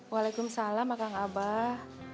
waalaikumsalam akang abah